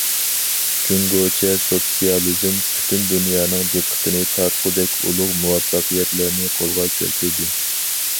جۇڭگوچە سوتسىيالىزم پۈتۈن دۇنيانىڭ دىققىتىنى تارتقۇدەك ئۇلۇغ مۇۋەپپەقىيەتلەرنى قولغا كەلتۈردى.